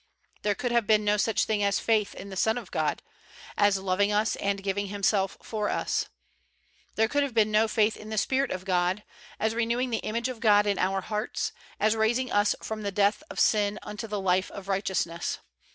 There could have been no such thing as faith in the Son of God '' as loving us and giving Himself for us." There could have been no faith in the 175 THE WORLD'S FAMOUS ORATIONS Spirit of God as renewing the image of God in our hearts, as raising us from the death of sin unto the life of righteousness.